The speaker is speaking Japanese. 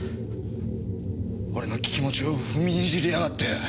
俺の気持ちを踏みにじりやがって！